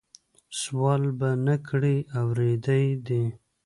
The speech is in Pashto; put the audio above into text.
سوال به نه کړې اورېده دي